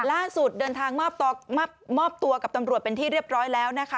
ล่าสุดเดินทางมอบตัวกับตำรวจเป็นที่เรียบร้อยแล้วนะคะ